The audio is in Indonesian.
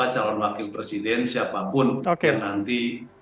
calon wakil presiden siapapun yang nanti